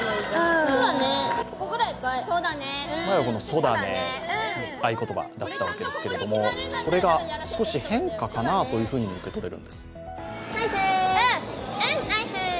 前はこの「そだねー」が合言葉だったわけですが、それが、少し変化かなというふうにも受け取れるんです。